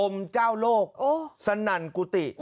เจ้าโลกสนั่นกุฏิ